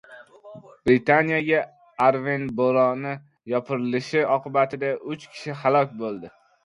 Britaniyaga Arven bo‘roni yopirilishi oqibatida uch kishi halok bo‘ldi